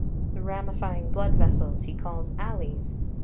The ramifying blood vessels he calls alleys.